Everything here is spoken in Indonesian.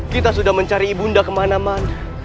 kita sudah mencari ibu bunda kemana mana